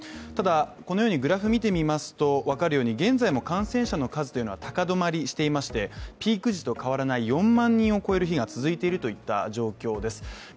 ただ、このようにグラフ見てみますと分かるように現在も感染者の数は高止まりしていてピーク時と変わらない４万人を超える日が続いているという状況です。